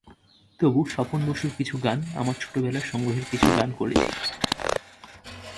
তবু স্বপন বসুর কিছু গান, আমার ছোটবেলার সংগ্রহের কিছু গান করেছি।